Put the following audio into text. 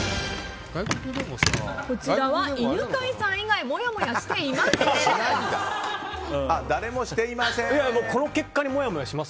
こちらは犬飼さん以外もやもやしていないそうです。